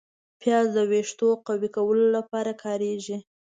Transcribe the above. پیاز د ویښتو قوي کولو لپاره کارېږي